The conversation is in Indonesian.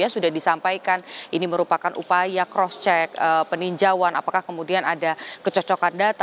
sudah disampaikan ini merupakan upaya cross check peninjauan apakah kemudian ada kecocokan data